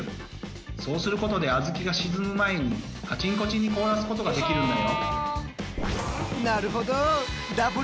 そうすることであずきが沈む前にカチンコチンに凍らすことができるんだよ。